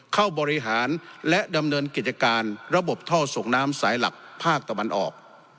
เข้าบริหารและดำเนินกิจการระบบท่อส่งน้ำสายหลักภาคตะวันออก